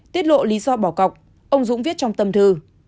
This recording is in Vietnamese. tiết lộ lý do bỏ cọc ông dũng viết trong tâm thư